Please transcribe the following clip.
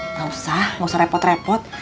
nggak usah nggak usah repot repot